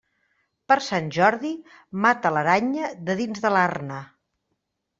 Per Sant Jordi mata l'aranya de dins de l'arna.